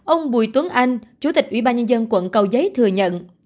ông bùi tuấn anh chủ tịch ủy ban nhân dân quận cầu giấy thừa nhận